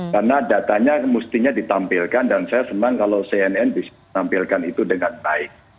karena datanya mestinya ditampilkan dan saya semang kalau cnn bisa tampilkan itu dengan baik